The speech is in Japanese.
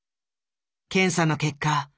検査の結果